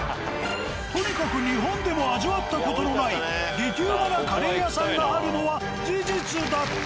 とにかく日本でも味わった事のない激うまなカレー屋さんがあるのは事実だった。